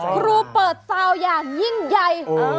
ครูเปิดซาวอย่างยิ่งใหญ่